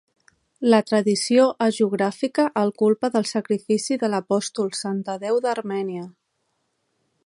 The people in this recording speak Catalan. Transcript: La tradició hagiogràfica el culpa del sacrifici de l'Apòstol Sant Tadeu d'Armènia.